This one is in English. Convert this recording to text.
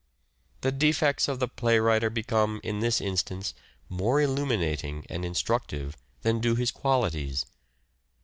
The defects of the playwriter become in this instance more illuminating and instructive than do his qualities.